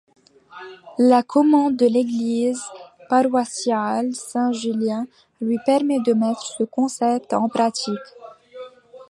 La commande de l'église paroissiale Saint-Julien lui permet de mettre ce concept en pratique.